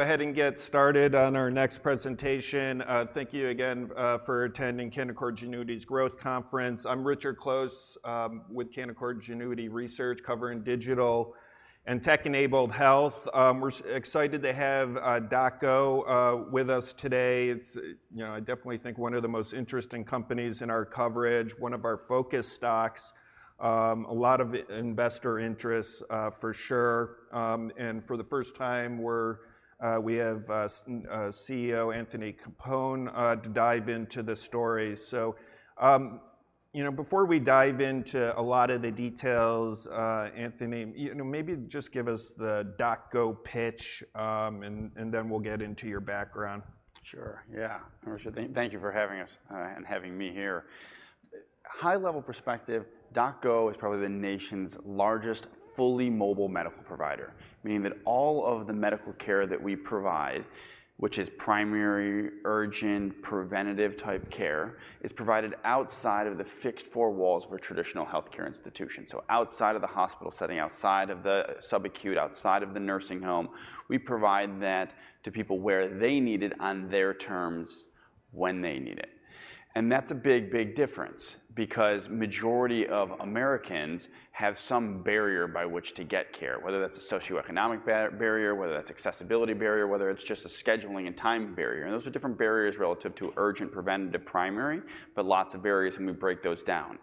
Go ahead and get started on our next presentation. Thank you again for attending Canaccord Genuity's Growth Conference. I'm Richard Close with Canaccord Genuity Research, covering digital and tech-enabled health. We're excited to have DocGo with us today. It's, you know, I definitely think one of the most interesting companies in our coverage, one of our focus stocks. A lot of investor interest for sure. And for the first time, we have CEO Anthony Capone to dive into the story. So, you know, before we dive into a lot of the details, Anthony, you know, maybe just give us the DocGo pitch, and then we'll get into your background. Sure, yeah. Richard, thank, thank you for having us and having me here. High-level perspective, DocGo is probably the nation's largest, fully mobile medical provider, meaning that all of the medical care that we provide, which is primary, urgent, preventative-type care, is provided outside of the fixed four walls of a traditional healthcare institution. Outside of the hospital setting, outside of the subacute, outside of the nursing home, we provide that to people where they need it, on their terms, when they need it. That's a big, big difference, because majority of Americans have some barrier by which to get care, whether that's a socioeconomic barrier, whether that's accessibility barrier, whether it's just a scheduling and time barrier, and those are different barriers relative to urgent, preventative, primary, but lots of barriers when we break those down.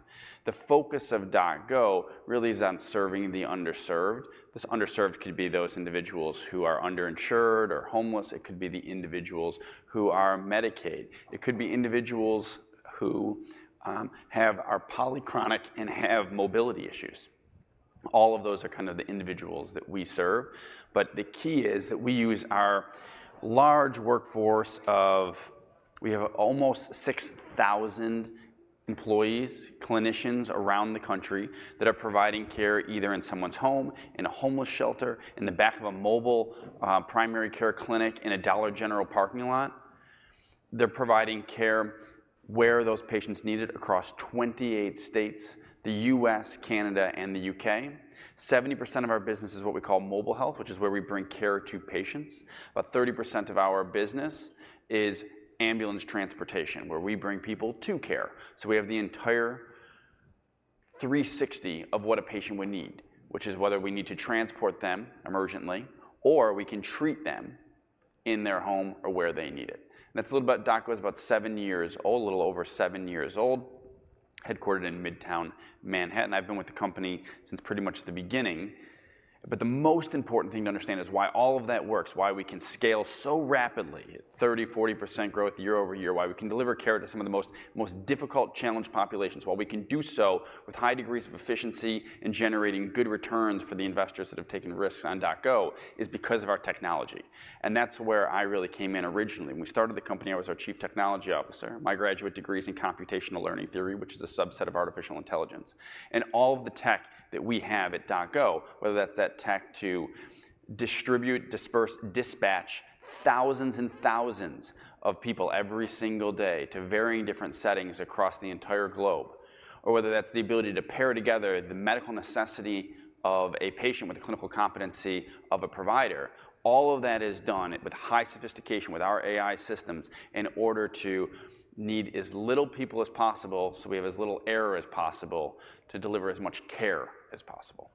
The focus of DocGo really is on serving the underserved. This underserved could be those individuals who are underinsured or homeless, it could be the individuals who are Medicaid, it could be individuals who are polychronic and have mobility issues. All of those are kind of the individuals that we serve. The key is that we use our large workforce. We have almost 6,000 employees, clinicians around the country, that are providing care either in someone's home, in a homeless shelter, in the back of a mobile primary care clinic, in a Dollar General parking lot. They're providing care where those patients need it across 28 states, the U.S., Canada, and the U.K. 70% of our business is what we call Mobile Health, which is where we bring care to patients. About 30% of our business is ambulance transportation, where we bring people to care. We have the entire 360 of what a patient would need, which is whether we need to transport them emergently, or we can treat them in their home or where they need it. That's a little about DocGo, it's about seven years old, a little over seven years old, headquartered in Midtown Manhattan. I've been with the company since pretty much the beginning. The most important thing to understand is why all of that works, why we can scale so rapidly, at 30%, 40% growth year-over-year, why we can deliver care to some of the most, most difficult challenged populations, why we can do so with high degrees of efficiency and generating good returns for the investors that have taken risks on DocGo, is because of our technology. That's where I really came in originally. When we started the company, I was our Chief Technology Officer. My graduate degree is in computational learning theory, which is a subset of artificial intelligence. All of the tech that we have at DocGo, whether that's that tech to distribute, disperse, dispatch thousands and thousands of people every single day to varying different settings across the entire globe, or whether that's the ability to pair together the medical necessity of a patient with the clinical competency of a provider, all of that is done with high sophistication, with our AI systems, in order to need as little people as possible, so we have as little error as possible to deliver as much care as possible.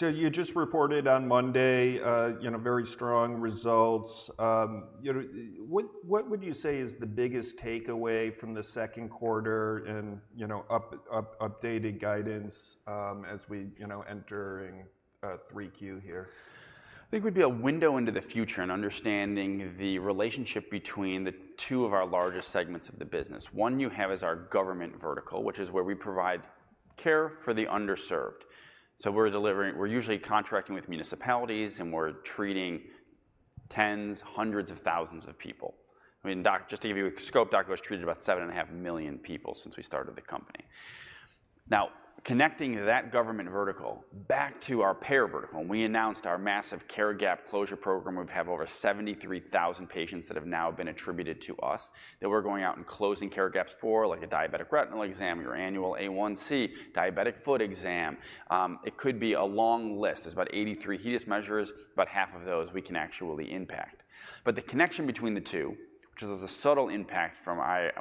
You just reported on Monday, you know, very strong results. You know, what would you say is the biggest takeaway from the second quarter and, you know, updated guidance, as we, you know, entering, 3Q here? I think it would be a window into the future and understanding the relationship between the two of our largest segments of the business. One you have is our government vertical, which is where we provide care for the underserved. We're usually contracting with municipalities, and we're treating tens, hundreds of thousands of people. I mean, just to give you a scope, DocGo has treated about 7.5 million people since we started the company. Connecting that government vertical back to our payer vertical, and we announced our massive care gap closure program. We've have over 73,000 patients that have now been attributed to us, that we're going out and closing care gaps for, like a diabetic retinal exam, your annual A1C, diabetic foot exam. It could be a long list. There's about 83 HEDIS measures, about half of those we can actually impact. The connection between the two, which is a subtle impact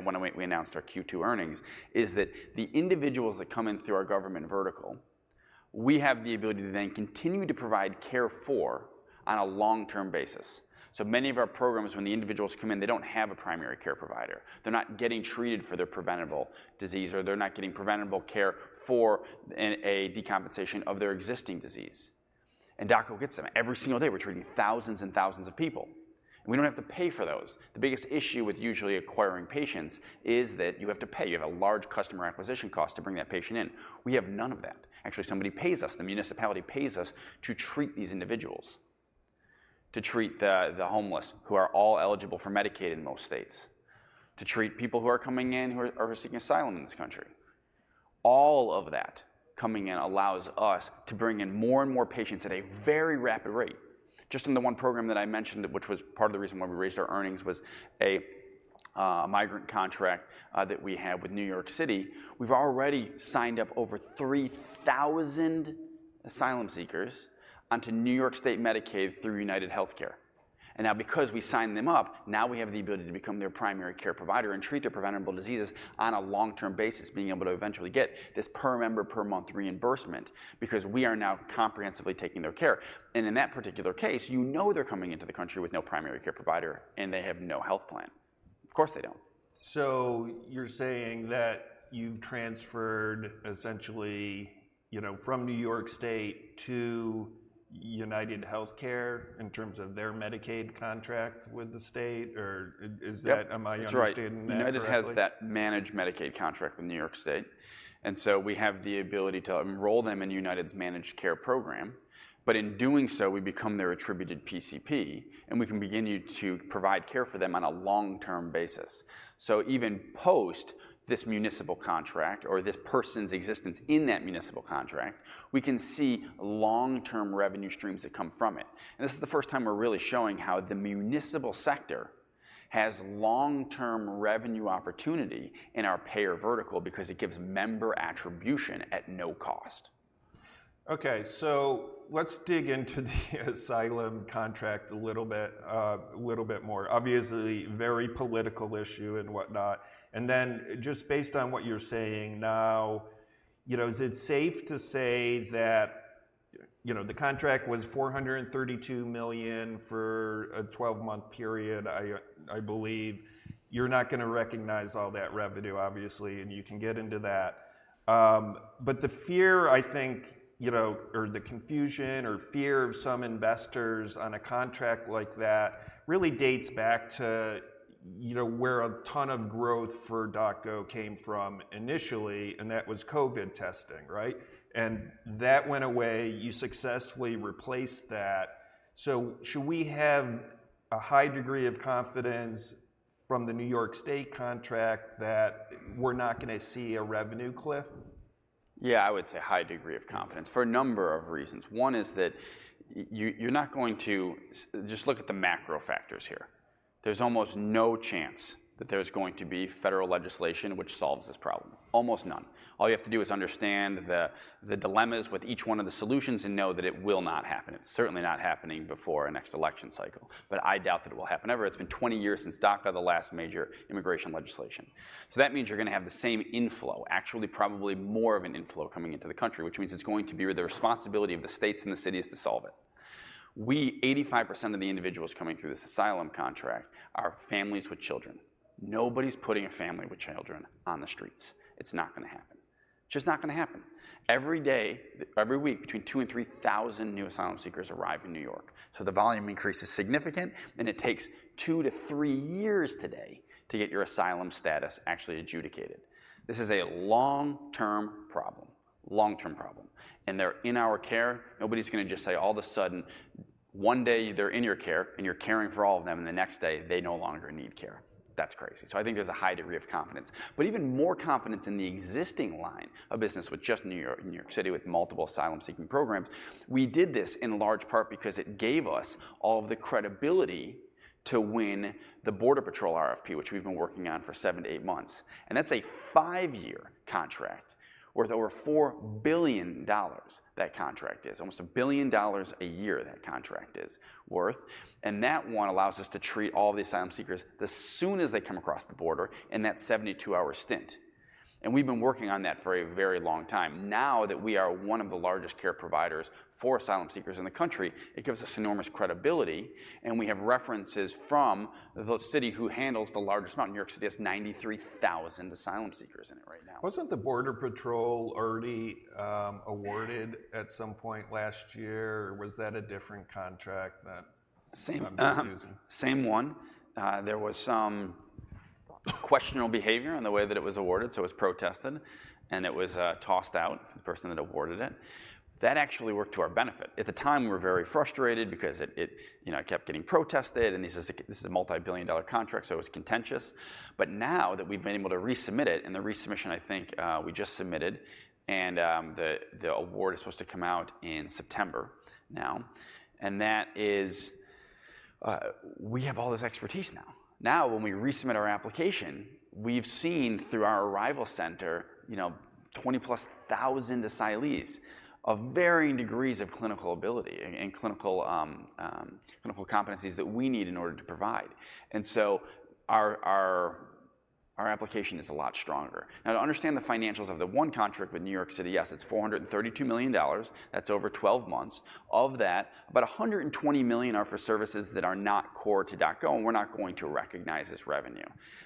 when we, we announced our Q2 earnings, is that the individuals that come in through our government vertical, we have the ability to then continue to provide care for on a long-term basis. Many of our programs, when the individuals come in, they don't have a primary care provider. They're not getting treated for their preventable disease, or they're not getting preventable care for a decompensation of their existing disease. DocGo gets them. Every single day, we're treating thousands and thousands of people, and we don't have to pay for those. The biggest issue with usually acquiring patients is that you have to pay. You have a large customer acquisition cost to bring that patient in. We have none of that. Actually, somebody pays us, the municipality pays us to treat these individuals, to treat the, the homeless, who are all eligible for Medicaid in most states, to treat people who are coming in, who are seeking asylum in this country. All of that coming in allows us to bring in more and more patients at a very rapid rate. Just in the one program that I mentioned, which was part of the reason why we raised our earnings, was a migrant contract that we have with New York City. We've already signed up over 3,000 asylum seekers onto New York State Medicaid through UnitedHealthcare. Now because we signed them up, now we have the ability to become their primary care provider and treat their preventable diseases on a long-term basis, being able to eventually get this per member per month reimbursement, because we are now comprehensively taking their care. In that particular case, you know they're coming into the country with no primary care provider, and they have no health plan. Of course, they don't. You're saying that you've transferred essentially, you know, from New York State to UnitedHealthcare in terms of their Medicaid contract with the state, or is that? Yep. Am I understanding that correctly? That's right. United has that managed Medicaid contract with New York State, and so we have the ability to enroll them in United's managed care program. In doing so, we become their attributed PCP, and we can begin to provide care for them on a long-term basis. Even post this municipal contract or this person's existence in that municipal contract, we can see long-term revenue streams that come from it. This is the first time we're really showing how the municipal sector has long-term revenue opportunity in our payer vertical because it gives member attribution at no cost. Okay, let's dig into the asylum contract a little bit, little bit more. Obviously, very political issue and whatnot. Just based on what you're saying now, you know, is it safe to say that, you know, the contract was $432 million for a 12-month period, I, I believe? You're not gonna recognize all that revenue, obviously, and you can get into that. The fear, I think, you know, or the confusion or fear of some investors on a contract like that, really dates back to, you know, where a ton of growth for DocGo came from initially, and that was COVID testing, right? That went away. You successfully replaced that. Should we have a high degree of confidence from the New York State contract that we're not gonna see a revenue cliff? Yeah, I would say a high degree of confidence for a number of reasons. One is that you, you're not going to... Just look at the macro factors here. There's almost no chance that there's going to be federal legislation which solves this problem. Almost none. All you have to do is understand the, the dilemmas with each one of the solutions and know that it will not happen. It's certainly not happening before the next election cycle, but I doubt that it will happen ever. It's been 20 years since DACA, the last major immigration legislation. That means you're gonna have the same inflow, actually, probably more of an inflow coming into the country, which means it's going to be the responsibility of the states and the cities to solve it. We 85% of the individuals coming through this asylum contract are families with children. Nobody's putting a family with children on the streets. It's not gonna happen. Just not gonna happen. Every day, every week, between 2,000 and 3,000 new asylum seekers arrive in New York. The volume increase is significant, and it takes two to three years today to get your asylum status actually adjudicated. This is a long-term problem, long-term problem, and they're in our care. Nobody's gonna just say, all of a sudden, one day they're in your care, and you're caring for all of them, and the next day, they no longer need care. That's crazy. I think there's a high degree of confidence. Even more confidence in the existing line of business with just New York, New York City, with multiple asylum-seeking programs. We did this in large part because it gave us all of the credibility to win the Border Patrol RFP, which we've been working on for seven to eight months, and that's a five-year contract worth over $4 billion, that contract is. Almost $1 billion a year, that contract is worth. That one allows us to treat all the asylum seekers as soon as they come across the border in that 72-hour stint, and we've been working on that for a very long time. Now that we are one of the largest care providers for asylum seekers in the country, it gives us enormous credibility, and we have references from the city who handles the largest amount. New York City has 93,000 asylum seekers in it right now. Wasn't the Border Patrol already awarded at some point last year, or was that a different contract? Same- I'm confusing. Same one. There was some questionable behavior in the way that it was awarded, so it was protested, and it was tossed out, the person that awarded it. That actually worked to our benefit. At the time, we were very frustrated because it, it, you know, kept getting protested and this is a, this is a multi-billion contract, so it was contentious. Now that we've been able to resubmit it, and the resubmission, I think, we just submitted, and the, the award is supposed to come out in September now, and that is, we have all this expertise now. Now, when we resubmit our application, we've seen through our Arrival Center, you know, 20,000+ asylees of varying degrees of clinical ability and, and clinical, clinical competencies that we need in order to provide. Our, our, our application is a lot stronger. Now, to understand the financials of the one contract with New York City, yes, it's $432 million. That's over 12 months. Of that, about $120 million are for services that are not core to DocGo, and we're not going to recognize this revenue.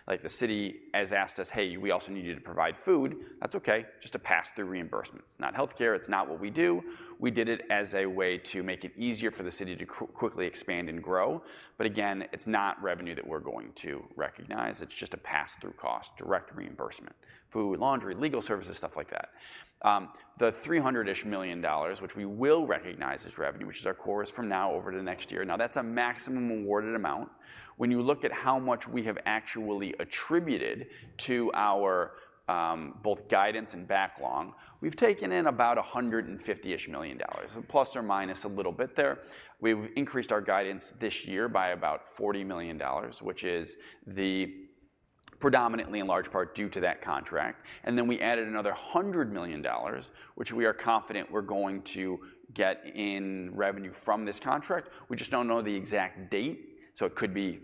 Like, the city has asked us, "Hey, we also need you to provide food." That's okay. Just a pass-through reimbursement. It's not healthcare; it's not what we do. We did it as a way to make it easier for the city to quickly expand and grow. Again, it's not revenue that we're going to recognize. It's just a pass-through cost, direct reimbursement, food, laundry, legal services, stuff like that. The $300-ish million, which we will recognize as revenue, which is our core, is from now over to next year. That's a maximum awarded amount. When you look at how much we have actually attributed to our both guidance and backlog, we've taken in about $150-ish million, plus or minus a little bit there. We've increased our guidance this year by about $40 million, which is predominantly in large part due to that contract. We added another $100 million, which we are confident we're going to get in revenue from this contract. We just don't know the exact date, so it could be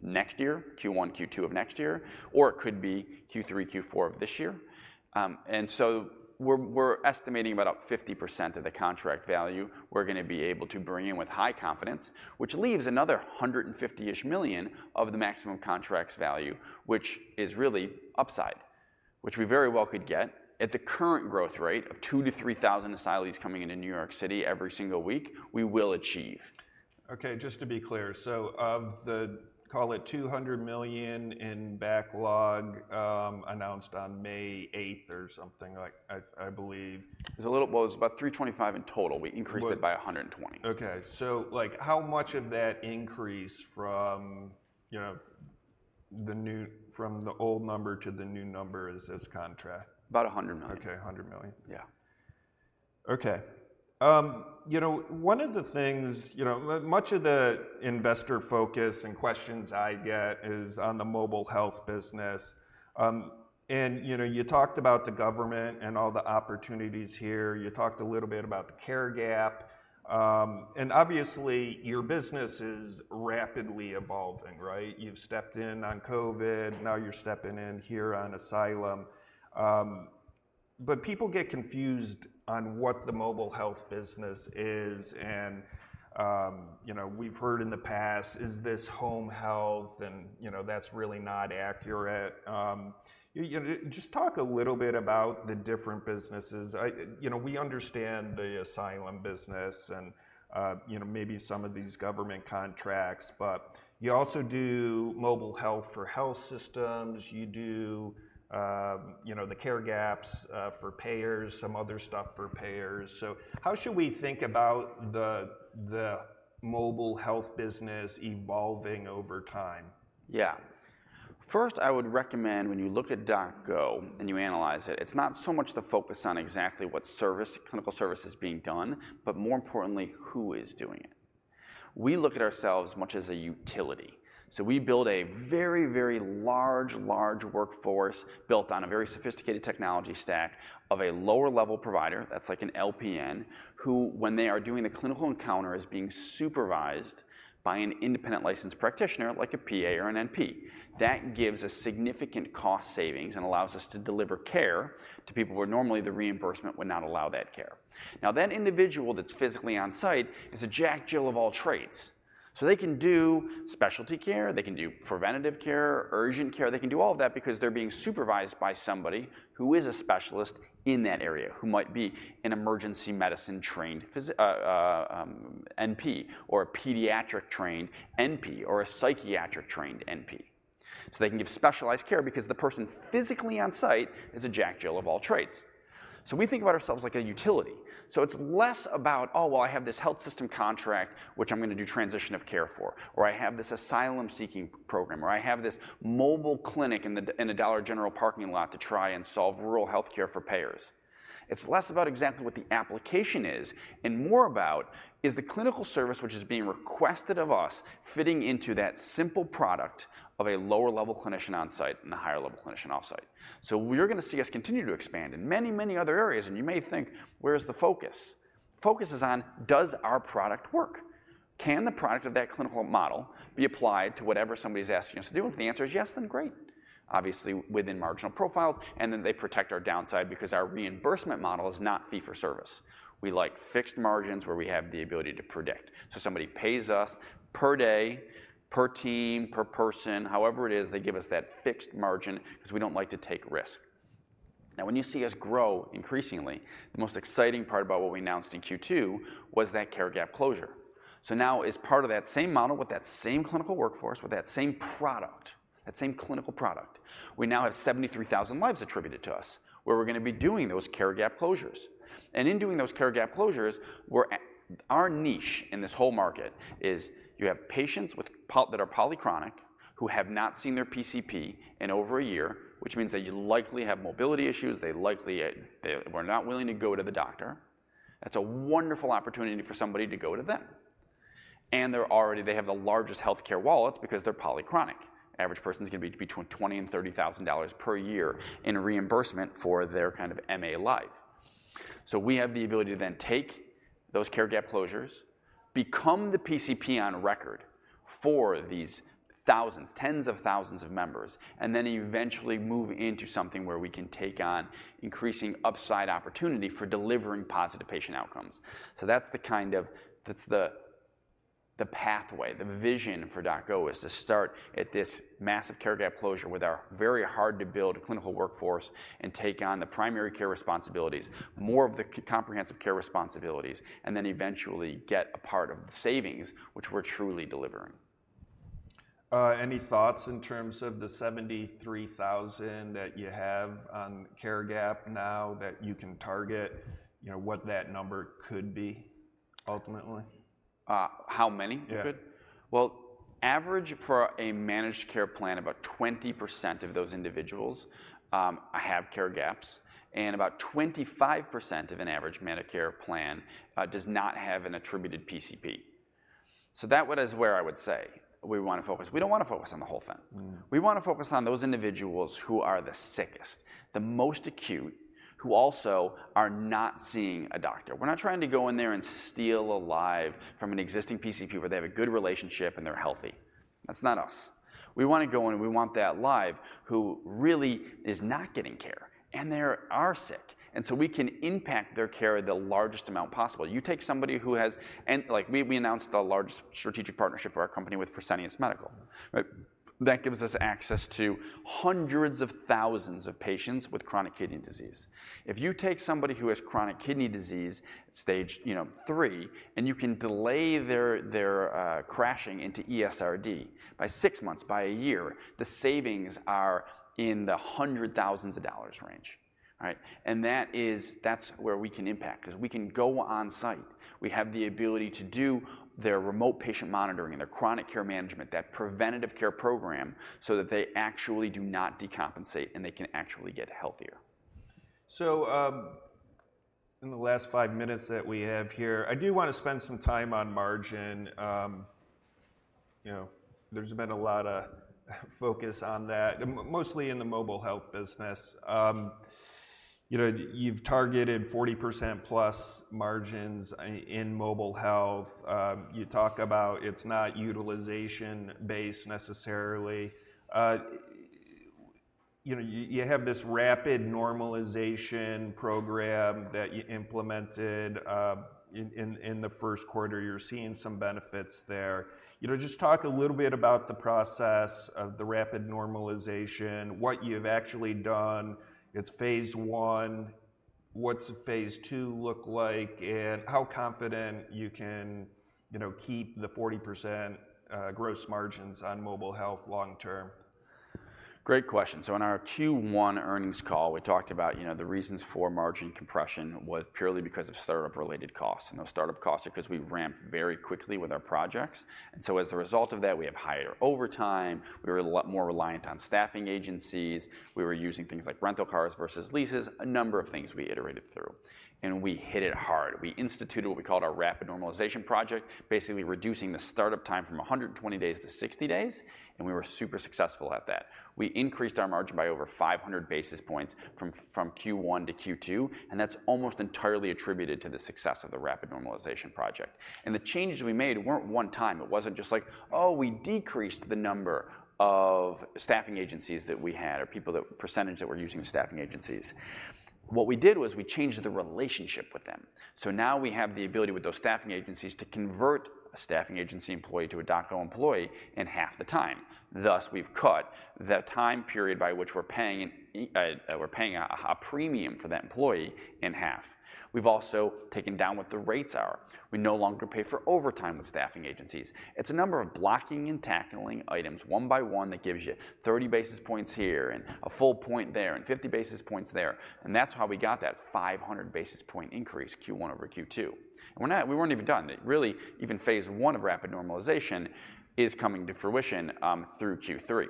next year, Q1, Q2 of next year, or it could be Q3, Q4 of this year. We're estimating about up 50% of the contract value we're gonna be able to bring in with high confidence, which leaves another $150-ish million of the maximum contract's value, which is really upside, which we very well could get. At the current growth rate of 2,000-3,000 asylees coming into New York City every single week, we will achieve. Okay, just to be clear, of the, call it $200 million in backlog, announced on May 8th or something like I, I believe... Well, it was about $325 in total. We increased it- But- -by 120. Okay. like, how much of that increase from, you know, the new... From the old number to the new number is, is contract? About $100 million. Okay, $100 million. Yeah. Okay. You know, one of the things, you know, much of the investor focus and questions I get is on the Mobile Health business. You know, you talked about the government and all the opportunities here. You talked a little bit about the care gap, and obviously, your business is rapidly evolving, right? You've stepped in on COVID, now you're stepping in here on asylum. People get confused on what the Mobile Health business is, and, you know, we've heard in the past, is this home health? You know, that's really not accurate. You know, just talk a little bit about the different businesses. I... You know, we understand the asylum business and, you know, maybe some of these government contracts, but you also do Mobile Health for health systems. You do, you know, the care gaps, for payers, some other stuff for payers. How should we think about the, the Mobile Health business evolving over time? Yeah. First, I would recommend when you look at DocGo and you analyze it, it's not so much the focus on exactly what service, clinical service is being done, but more importantly, who is doing it. We look at ourselves much as a utility, so we build a very, very large, large workforce built on a very sophisticated technology stack of a lower-level provider, that's like an LPN, who, when they are doing the clinical encounter, is being supervised by an independent licensed practitioner, like a PA or an NP. That gives a significant cost savings and allows us to deliver care to people where normally the reimbursement would not allow that care. Now, that individual that's physically on-site is a jack/jill of all trades. They can do specialty care, they can do preventative care, urgent care. They can do all of that because they're being supervised by somebody who is a specialist in that area, who might be an emergency medicine-trained NP, or a pediatric-trained NP, or a psychiatric-trained NP. They can give specialized care because the person physically on-site is a jack/jill of all trades. We think about ourselves like a utility. It's less about, Oh, well, I have this health system contract, which I'm gonna do transition of care for, or I have this asylum-seeking program, or I have this mobile clinic in the, in the Dollar General parking lot to try and solve rural healthcare for payers. It's less about exactly what the application is and more about, is the clinical service which is being requested of us, fitting into that simple product of a lower-level clinician on-site and a higher-level clinician off-site? You're gonna see us continue to expand in many, many other areas. You may think, where is the focus? Focus is on, does our product work? Can the product of that clinical model be applied to whatever somebody's asking us to do? If the answer is yes, then great. Obviously, within marginal profiles, and then they protect our downside because our reimbursement model is not fee for service. We like fixed margins where we have the ability to predict. Somebody pays us per day, per team, per person. However it is, they give us that fixed margin because we don't like to take risk. When you see us grow increasingly, the most exciting part about what we announced in Q2 was that care gap closure. Now as part of that same model, with that same clinical workforce, with that same product, that same clinical product, we now have 73,000 lives attributed to us, where we're gonna be doing those care gap closures. In doing those care gap closures, Our niche in this whole market is you have patients that are polychronic, who have not seen their PCP in over a year, which means they likely have mobility issues, they likely, they were not willing to go to the doctor. That's a wonderful opportunity for somebody to go to them. They're already... They have the largest healthcare wallets because they're polychronic. Average person is gonna be between $20,000-$30,000 per year in reimbursement for their kind of MA life. We have the ability to then take those care gap closures, become the PCP on record for these thousands, tens of thousands of members, and then eventually move into something where we can take on increasing upside opportunity for delivering positive patient outcomes. That's the pathway, the vision for DocGo, is to start at this massive care gap closure with our very hard-to-build clinical workforce and take on the primary care responsibilities, more of the comprehensive care responsibilities, and then eventually get a part of the savings, which we're truly delivering. Any thoughts in terms of the 73,000 that you have on care gap now that you can target, you know, what that number could be ultimately? How many could? Yeah. Average for a managed care plan, about 20% of those individuals, have care gaps, and about 25% of an average Medicare plan, does not have an attributed PCP. That what is where I would say we wanna focus. We don't wanna focus on the whole thing. Mm. We wanna focus on those individuals who are the sickest, the most acute, who also are not seeing a doctor. We're not trying to go in there and steal a live from an existing PCP, where they have a good relationship and they're healthy. That's not us. We wanna go in and we want that live, who really is not getting care, and they are sick, and so we can impact their care the largest amount possible. You take somebody who and like, we, we announced the largest strategic partnership for our company with Fresenius Medical, right? That gives us access to hundreds of thousands of patients with chronic kidney disease. If you take somebody who has chronic kidney disease, stage, you know, three, and you can delay their, their crashing into ESRD by six months, by one year, the savings are in the hundred thousands of dollars range, right? That's where we can impact, 'cause we can go on site. We have the ability to do their Remote Patient Monitoring and their Chronic Care Management, that preventive care program, so that they actually do not decompensate, and they can actually get healthier. In the last 5 minutes that we have here, I do wanna spend some time on margin. You know, there's been a lot of focus on that, mostly in the Mobile Health business. You know, you've targeted 40% plus margins in Mobile Health. You talk about it's not utilization-based necessarily. You know, you have this rapid normalization program that you implemented in the first quarter. You're seeing some benefits there. You know, just talk a little bit about the process of the rapid normalization, what you've actually done. It's phase one, what's phase two look like, and how confident you can, you know, keep the 40% gross margins on Mobile Health long term? Great question. In our Q1 earnings call, we talked about, you know, the reasons for margin compression was purely because of startup-related costs. Those startup costs are 'cause we ramp very quickly with our projects, and so as a result of that, we have higher overtime. We were a lot more reliant on staffing agencies. We were using things like rental cars versus leases, a number of things we iterated through, and we hit it hard. We instituted what we called our rapid normalization project, basically reducing the startup time from 120 days to 60 days, and we were super successful at that. We increased our margin by over 500 basis points from, from Q1 to Q2, and that's almost entirely attributed to the success of the rapid normalization project. The changes we made weren't one time. It wasn't just like: Oh, we decreased the number of staffing agencies that we had, or people that percentage that we're using staffing agencies. What we did was we changed the relationship with them. Now we have the ability with those staffing agencies to convert a staffing agency employee to a DocGo employee in half the time. Thus, we've cut the time period by which we're paying a premium for that employee in half. We've also taken down what the rates are. We no longer pay for overtime with staffing agencies. It's a number of blocking and tackling items, one by one, that gives you 30 basis points here, and a full point there, and 50 basis points there, and that's how we got that 500 basis point increase, Q1 over Q2. We're not we weren't even done. Really, even phase one of rapid normalization is coming to fruition, through Q3.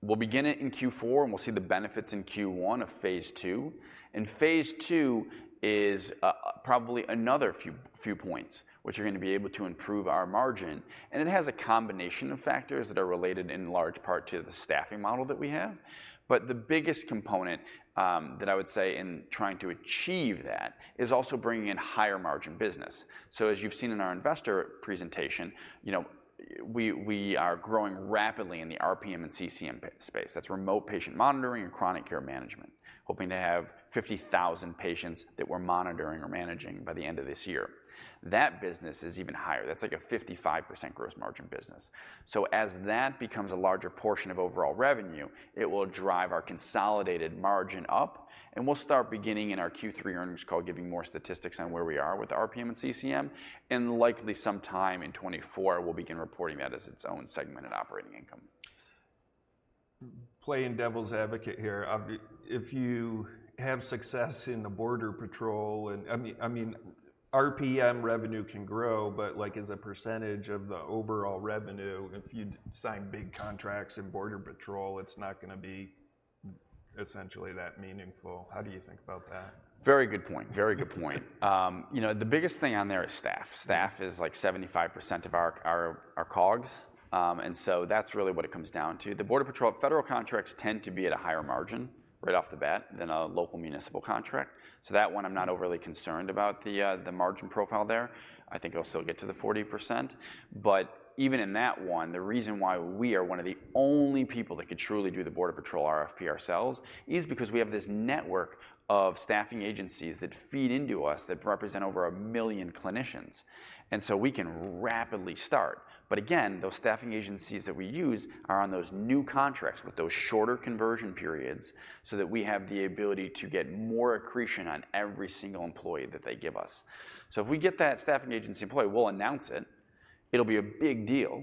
We'll begin it in Q4, and we'll see the benefits in Q1 of phase II. Phase II, is, probably another few, few points, which are gonna be able to improve our margin, and it has a combination of factors that are related in large part to the staffing model that we have. The biggest component, that I would say in trying to achieve that, is also bringing in higher margin business. As you've seen in our investor presentation, you know, we, we are growing rapidly in the RPM and CCM space. That's Remote Patient Monitoring and Chronic Care Management. Hoping to have 50,000 patients that we're monitoring or managing by the end of this year. That business is even higher. That's like a 55% gross margin business. As that becomes a larger portion of overall revenue, it will drive our consolidated margin up, and we'll start beginning in our Q3 earnings call, giving more statistics on where we are with RPM and CCM, and likely sometime in 2024, we'll begin reporting that as its own segment and operating income. Playing devil's advocate here, if you have success in the Border Patrol and I mean, RPM revenue can grow, but, like, as a percentage of the overall revenue, if you sign big contracts in Border Patrol, it's not gonna be essentially that meaningful. How do you think about that? Very good point. Very good point. You know, the biggest thing on there is staff. Staff is, like, 75% of our, our, our COGS. That's really what it comes down to. The Border Patrol, federal contracts tend to be at a higher margin right off the bat than a local municipal contract. That one, I'm not overly concerned about the margin profile there. I think it'll still get to the 40%, but even in that one, the reason why we are one of the only people that could truly do the Border Patrol RFP ourselves, is because we have this network of staffing agencies that feed into us, that represent over 1 million clinicians, we can rapidly start. Again, those staffing agencies that we use are on those new contracts with those shorter conversion periods, so that we have the ability to get more accretion on every single employee that they give us. If we get that staffing agency employee, we'll announce it. It'll be a big deal.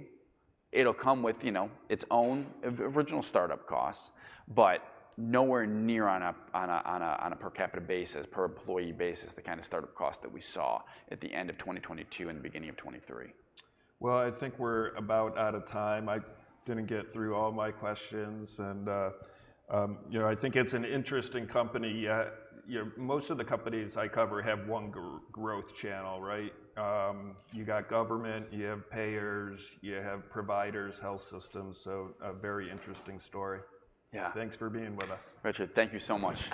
It'll come with, you know, its own original startup costs, but nowhere near on a per capita basis, per employee basis, the kind of startup cost that we saw at the end of 2022 and the beginning of 2023. Well, I think we're about out of time. I didn't get through all my questions, and, you know, I think it's an interesting company. You know, most of the companies I cover have one growth channel, right? You got government, you have payers, you have providers, health systems, so a very interesting story. Yeah. Thanks for being with us. Richard, thank you so much.